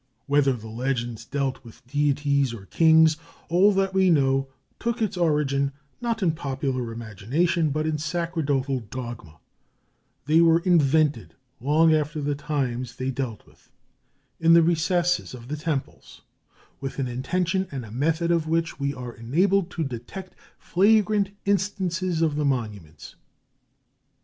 Whether the legends dealt with deities or kings, all that we know took its origin, not in popular imagination, but in sacerdotal dogma: they were invented long after the times they dealt with, in the recesses of the temples, with an intention and a method of which we are enabled to detect flagrant instances on the monuments.